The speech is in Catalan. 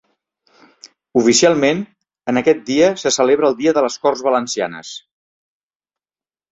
Oficialment, en aquest dia se celebra el dia de les Corts Valencianes.